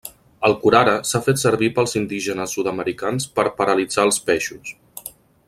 El curare s'ha fet servir pels indígenes sud-americans per paralitzar els peixos.